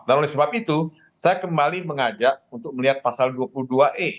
dan oleh sebab itu saya kembali mengajak untuk melihat pasal dua puluh dua e